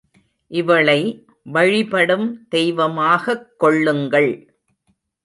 இவளை வழிபடும் தெய்வமாகக் கொள்ளுங்கள்.